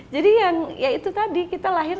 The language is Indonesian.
jadi yang ya itu tadi kita lahir